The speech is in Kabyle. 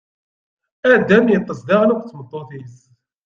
Adam iṭṭeṣ daɣen akked tmeṭṭut-is.